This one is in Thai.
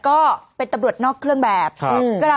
ปรากฏว่าสิ่งที่เกิดขึ้นคลิปนี้ฮะ